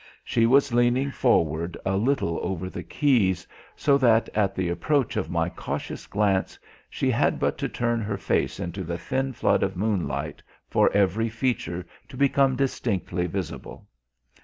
She was leaning forward a little over the keys, so that at the approach of my cautious glance she had but to turn her face into the thin flood of moonlight for every feature to become distinctly visible.